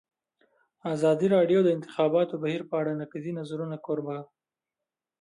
ازادي راډیو د د انتخاباتو بهیر په اړه د نقدي نظرونو کوربه وه.